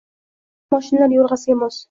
Qadamim moshinlar yo’rg’asiga mos.